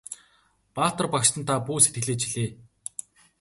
Баатар багштан та бүү сэтгэлээ чилээ!